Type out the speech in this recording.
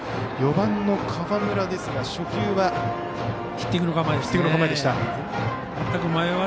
４番の河村ですが初球はヒッティングの構え。